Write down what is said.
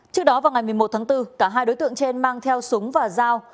trước đó vào ngày một mươi một tháng bốn cả hai đối tượng trên mang theo súng và dao